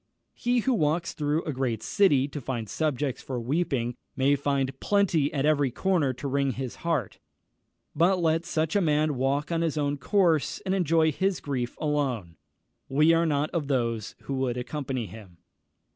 He who walks through a great city to find subjects for weeping, may find plenty at every corner to wring his heart; but let such a man walk on his course, and enjoy his grief alone we are not of those who would accompany him.